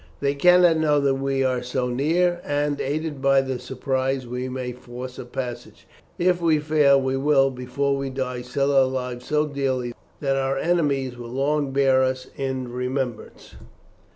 They cannot know that we are so near, and, aided by the surprise, we may force a passage. If we fail, we will, before we die, sell our lives so dearly that our enemies will long bear us in remembrance."